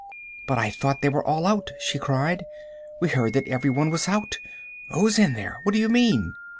"But I thought they were all out," she cried. "We heard that every one was out. Who's in there? What do you mean?"